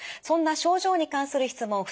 そんな症状に関する質問